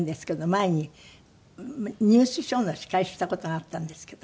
前にニュースショーの司会した事があったんですけど。